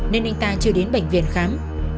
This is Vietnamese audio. nên anh ta chưa đến bệnh viện khám